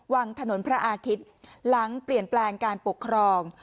วังถนนพระอาทิตย์หลังเปลี่ยนแปลงการปกครอง